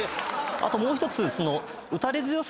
あともう１つ。